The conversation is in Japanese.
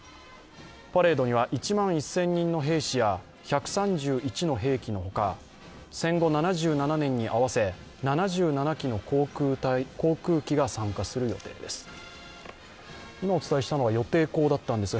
パレードには１万１０００人の兵士や１３１の兵器のほか、戦後７７年に合わせ７７機の航空機が参加する予定です。